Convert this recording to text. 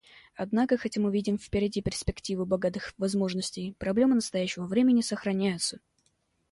Однако хотя мы видим впереди перспективы богатых возможностей, проблемы настоящего времени сохраняются.